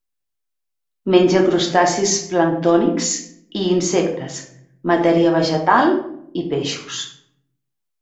Menja crustacis planctònics i insectes, matèria vegetal i peixos.